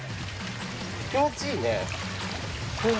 気持ちいいね。